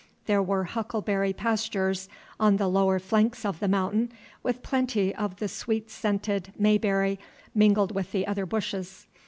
There were huckleberry pastures on the lower flanks of The Mountain, with plenty of the sweet scented bayberry mingled with the other bushes.